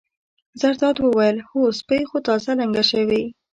زرداد وویل: هو سپۍ خو تازه لنګه شوې.